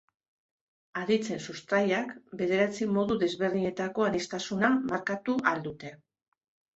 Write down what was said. Aditzen sustraiak bederatzi modu desberdinetako aniztasuna markatu ahal dute.